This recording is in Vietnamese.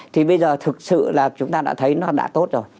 thì bây giờ thực sự là chúng ta đã thấy nó đã tốt rồi